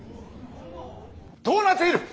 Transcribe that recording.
どうなっている！